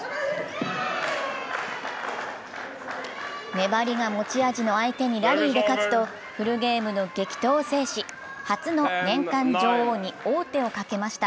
粘りが持ち味の相手にラリーで勝つとフルゲームの激闘を制し、初の年間女王に王手をかけました。